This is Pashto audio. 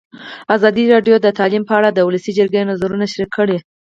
ازادي راډیو د تعلیم په اړه د ولسي جرګې نظرونه شریک کړي.